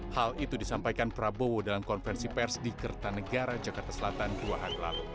hal itu disampaikan prabowo dalam konferensi pers di kertanegara jakarta selatan dua hari lalu